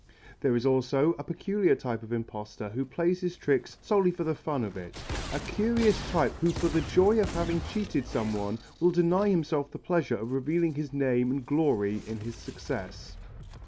There is also a peculiar type of impostor who plays his tricks solely for the fun of it, a curious type who for the joy of having cheated some one, will deny himself the pleasure of revealing his name and glory in his success.